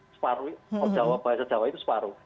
separuh bahasa jawa itu separuh